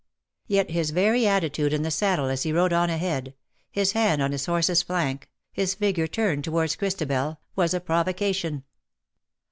Yet his very attitude in the saddle as he rode on ahead — his hand on his horse^s flank^ his figure turned towards Christabel — was a provocation.